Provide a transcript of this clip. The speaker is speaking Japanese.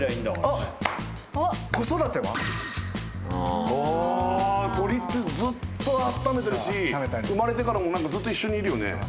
鳥ってずっとあっためてるし生まれてからもずっと一緒にいるよね。